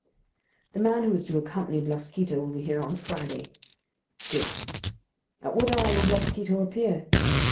"The man who is to accompany Blasquito will be here on Friday." "Good." "At what hour will Blasquito appear?"